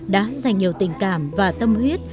đã dành nhiều tình cảm và tâm huyết